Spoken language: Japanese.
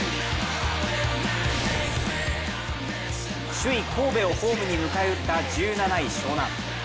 首位・神戸をホームに迎え撃った１７位・湘南。